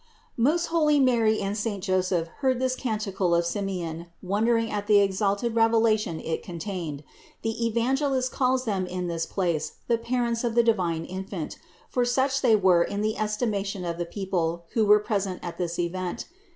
Most holy Mary and saint Joseph heard this can ticle of Simeon, wondering at the exalted revelation it contained. The Evangelist calls them in this place the parents of the divine Infant, for such they were in the estimation of the people who were present at this event.